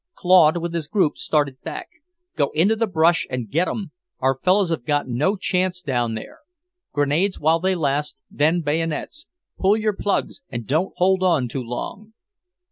Claude, with his group, started back. "Go into the brush and get 'em! Our fellows have got no chance down there. Grenades while they last, then bayonets. Pull your plugs and don't hold on too long."